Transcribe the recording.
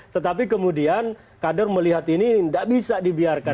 tetapi kemudian kader melihat ini tidak bisa dibiarkan